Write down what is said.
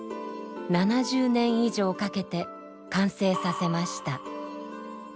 ７０年以上かけて完成させました。